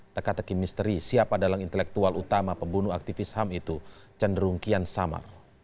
teka teki misteri siapa dalam intelektual utama pembunuh aktivis ham itu cenderung kian sama